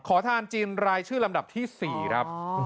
ขอทานจีนรายชื่อลำดับที่๔ครับ